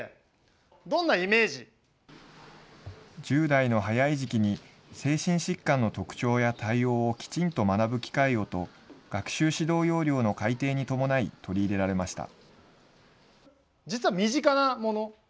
１０代の早い時期に精神疾患の特徴や対応をきちんと学ぶ機会をと学習指導要領の改訂に伴い取り入れられました。